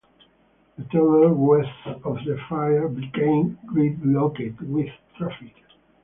The tunnel west of the fire became gridlocked with traffic.